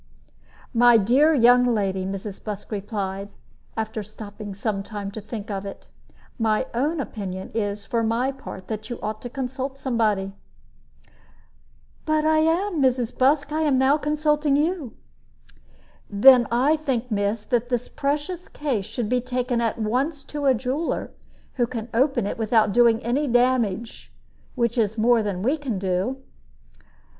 "My dear young lady," Mrs. Busk replied, after stopping some time to think of it, "my own opinion is, for my part, that you ought to consult somebody." "But I am, Mrs. Busk. I am now consulting you." "Then I think, miss, that this precious case should be taken at once to a jeweler, who can open it without doing any damage, which is more than we can do."